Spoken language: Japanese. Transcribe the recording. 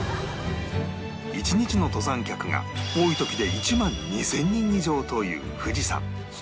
１日の登山客が多い時で１万２０００人以上という富士山